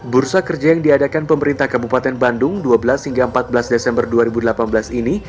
bursa kerja yang diadakan pemerintah kabupaten bandung dua belas hingga empat belas desember dua ribu delapan belas ini